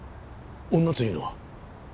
女というのは？